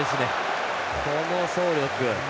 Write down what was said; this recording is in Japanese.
この走力。